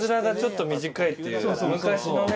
昔のね。